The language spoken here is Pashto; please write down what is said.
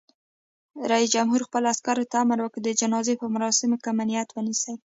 رئیس جمهور خپلو عسکرو ته امر وکړ؛ د جنازو په مراسمو کې امنیت ونیسئ!